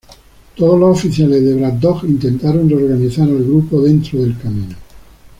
Todos los oficiales de Braddock intentaron reorganizar al grupo dentro del camino.